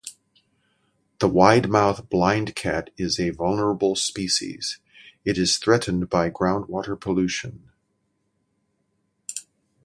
The widemouth blindcat is a vulnerable species; it is threatened by groundwater pollution.